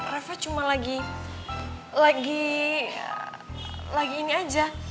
reva cuma lagi lagi lagi ini aja